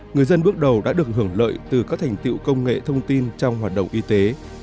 người dân bước đầu đã được hưởng lợi từ các thành tiệu công nghệ thông tin trong hoạt động y tế